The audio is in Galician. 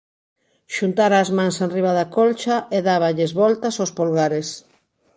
Xuntara as mans enriba da colcha e dáballes voltas aos polgares.